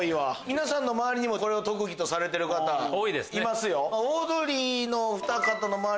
皆さんの周りもこれを特技とされてる方います。